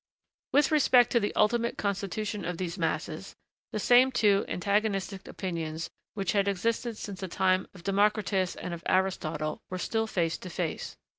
] With respect to the ultimate constitution of these masses, the same two antagonistic opinions which had existed since the time of Democritus and of Aristotle were still face to face.